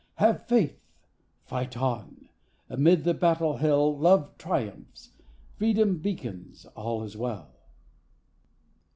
... Have faith! Fight on! Amid the battle hell Love triumphs, Freedom beacons, all is well.